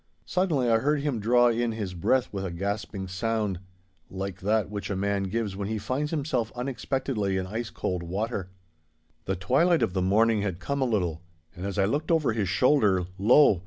Suddenly I heard him draw in his breath with a gasping sound, like that which a man gives when he finds himself unexpectedly in ice cold water. The twilight of the morning had come a little, and as I looked over his shoulder, lo!